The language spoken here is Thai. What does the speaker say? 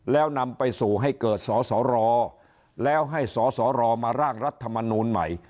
แล้วนำไปสู่ให้เกิดสสรแล้วให้สสรมาร่างรัฐมนูลใหม่